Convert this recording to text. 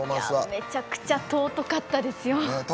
めちゃくちゃ尊かったですよ